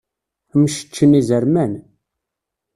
Mceččen izerman.